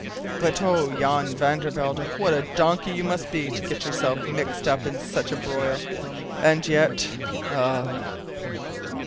But oh, Jan van der Welde, what a donkey you must be to get yourself mixed up in such a broil! and yet ah!